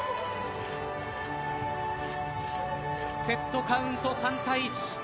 セットカウント、３対１。